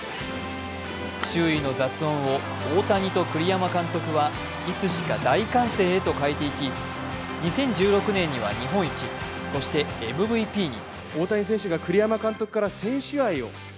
周囲の雑音を大谷と栗山監督はいつしか大歓声へと変えていき、２０１６年には日本一、そしてＭＶＰに。